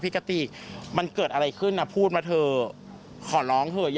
ปกติมันเกิดอะไรขึ้นพูดมาเถอะขอร้องเถอะ